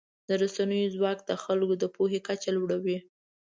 د رسنیو ځواک د خلکو د پوهې کچه لوړوي.